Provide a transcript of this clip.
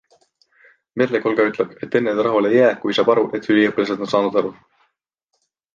Merle Kolga ütleb, et enne ta rahule ei jää, kui saab aru, et üliõpilased on saanud aru.